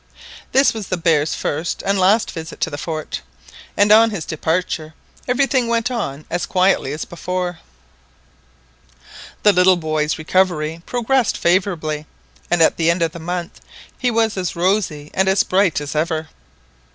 This was the bear's first and last visit to the fort, and on his departure everything went on as quietly as before. The little boy's recovery progressed favourably, and at the end of the month he was as rosy and as bright as ever.